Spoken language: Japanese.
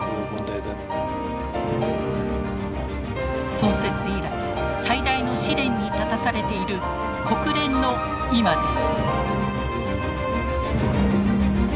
創設以来最大の試練に立たされている国連の今です。